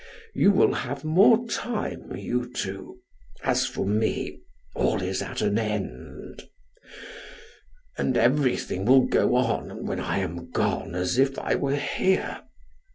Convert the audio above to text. You have more time, you two as for me all is at an end. And everything will go on when I am gone as if I were here."